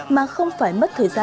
mà không phải mất thời gian cùng nhau